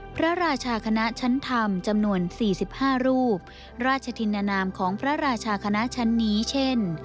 พระราชาคณะชั้นธรรมจำนวน๔๕รูปราชธินนามของพระราชาคณะชั้นนี้เช่น